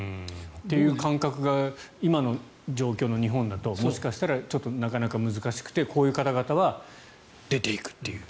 という感覚が今の状況の日本だともしかしたら、なかなか難しくてこういう方々は出ていくという。